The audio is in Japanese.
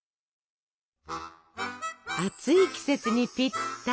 暑い季節にぴったり！